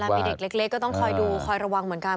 มีเด็กเล็กก็ต้องคอยดูคอยระวังเหมือนกัน